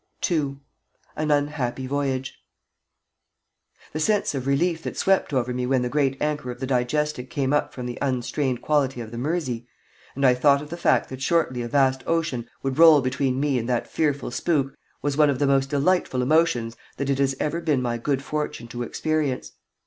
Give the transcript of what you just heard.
II AN UNHAPPY VOYAGE The sense of relief that swept over me when the great anchor of the Digestic came up from the unstrained quality of the Mersey, and I thought of the fact that shortly a vast ocean would roll between me and that fearful spook, was one of the most delightful emotions that it has ever been my good fortune to experience.